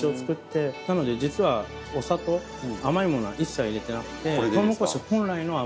なので実はお砂糖甘いものは一切入れてなくて。